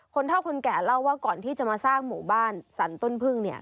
เท่าคนแก่เล่าว่าก่อนที่จะมาสร้างหมู่บ้านสรรต้นพึ่งเนี่ย